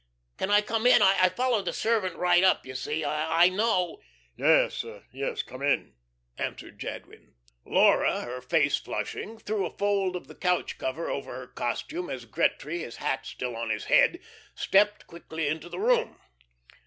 "Can I come in? I followed the servant right up, you see. I know " "Yes, yes. Come in," answered Jadwin. Laura, her face flushing, threw a fold of the couch cover over her costume as Gretry, his hat still on his head, stepped quickly into the room.